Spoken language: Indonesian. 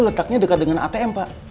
letaknya dekat dengan atm pak